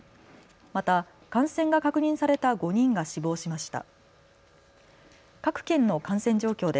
また感染が確認された５人が死亡しました。